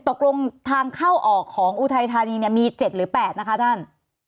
ตกลงทางเข้าออกของอุทัยธานีเนี่ยมี๗หรือ๘นะคะท่าน